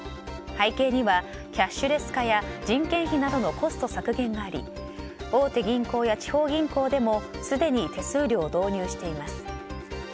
背景にはキャッシュレス化や人件費などのコスト削減があり大手銀行や地方銀行でもすでに手数料を導入しています。